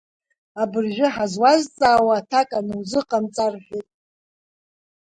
Абыржәы ҳазуазҵаауа аҭак анузыҟамҵа, — рҳәеит.